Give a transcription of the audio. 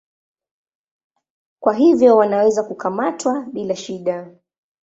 Kwa hivyo wanaweza kukamatwa bila shida.